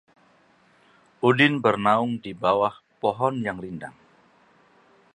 Udin bernaung di bawah pohon yang rindang